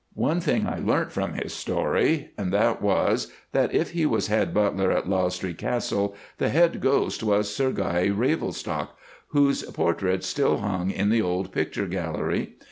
One thing I learnt from his story, and that was, that if he was head butler at Lausdree Castle, the head ghost was Sir Guy Ravelstocke, whose portrait still hung in the old picture gallery.